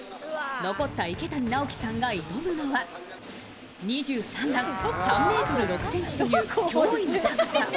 残った池谷直樹さんが挑むのは２３段３ｍ６ｃｍという脅威の高さ。